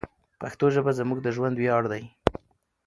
پښتو ژبه زموږ د ژوند ویاړ دی.